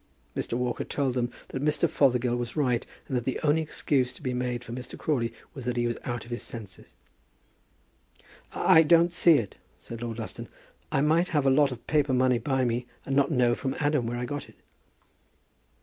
Mr. Walker told them that Mr. Fothergill was right, and that the only excuse to be made for Mr. Crawley was that he was out of his senses. "I don't see it," said Lord Lufton. "I might have a lot of paper money by me, and not know from Adam where I got it."